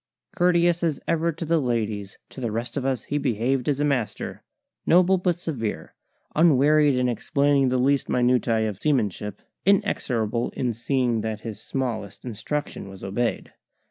Courteous as ever to the ladies, to the rest of us he behaved as a master, noble but severe, unwearied in explaining the least minutiae of seamanship, inexorable in seeing that his smallest instruction was obeyed.